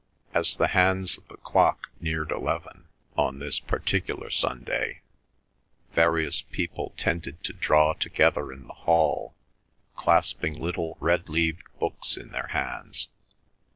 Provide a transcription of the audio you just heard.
As the hands of the clock neared eleven, on this particular Sunday, various people tended to draw together in the hall, clasping little red leaved books in their hands.